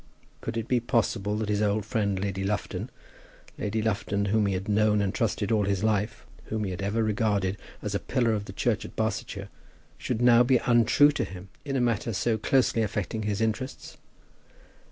Could it be possible that his old friend Lady Lufton, Lady Lufton whom he had known and trusted all his life, whom he had ever regarded as a pillar of the church in Barsetshire, should now be untrue to him in a matter so closely affecting his interests?